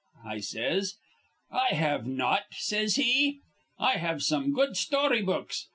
I says. 'I have not,' says he. 'I have some good story books.